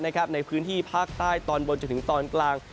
ในพื้นที่ภาคใต้ตอนบนจนถึงตอนกลาง